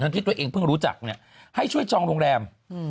ที่ตัวเองเพิ่งรู้จักเนี่ยให้ช่วยจองโรงแรม